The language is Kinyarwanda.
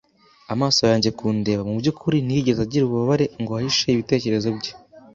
amaso yanjye kundeba. Mubyukuri ntiyigeze agira ububabare ngo ahishe ibitekerezo bye,